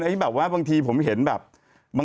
ทำไมบางทีผมเห็นแบบ